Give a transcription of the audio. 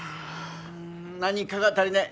何かが足りない。